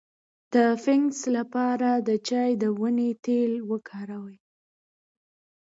د فنګس لپاره د چای د ونې تېل وکاروئ